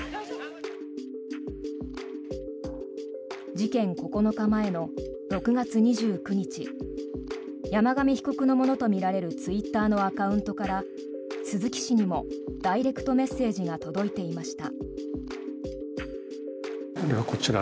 事件９日前の６月２９日山上被告のものとみられるツイッターのアカウントから鈴木氏にもダイレクトメッセージが届いていました。